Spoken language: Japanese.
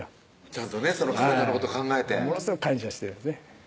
ちゃんとね体のこと考えてものすごく感謝してますね